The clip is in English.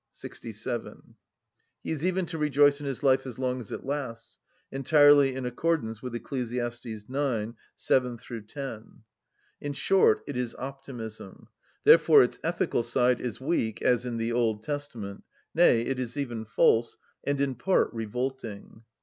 pr. 67); he is even to rejoice in his life as long as it lasts; entirely in accordance with Ecclesiastes ix. 7‐10. In short, it is optimism: therefore its ethical side is weak, as in the Old Testament; nay, it is even false, and in part revolting.